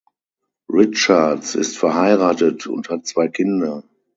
Richards ist verheiratet und hat zwei Kinder.